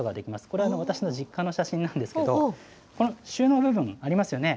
これ、私の実家の写真なんですけれども、この収納部分ありますよね？